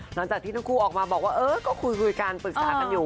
หลังจากที่ทั้งคู่ออกมาบอกว่าเออก็คุยกันปรึกษากันอยู่